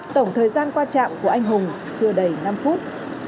tổng thời gian qua trạm của anh hùng chưa đầy năm phút